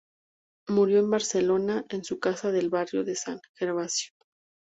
Murió en Barcelona, en su casa del barrio de San Gervasio.